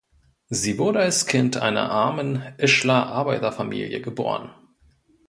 Sie wurde als Kind einer armen Ischler Arbeiterfamilie geboren.